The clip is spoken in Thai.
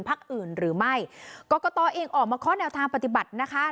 ภาคอื่นหรือไม่ก็ก็ตอเองออกมาข้อแนวทางปฏิบัตินะคะ